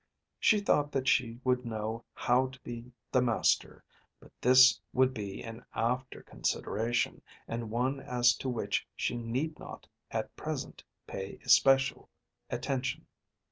She thought that she would know how to be the master; but this would be an after consideration, and one as to which she need not at present pay especial attention.